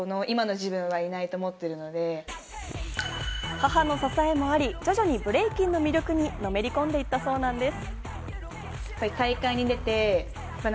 母の支えもあり、徐々にブレイキンの魅力にのめり込んでいったそうなんです。